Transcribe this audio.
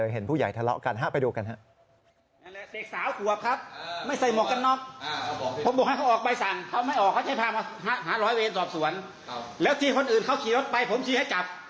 เห็นมั้ยคู่ดูดูคันก็เป็นปฏิบัติที่ไม่ชอบ